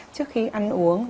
trước khi ăn uống